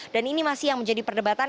dan ini masih yang menjadi perdebatan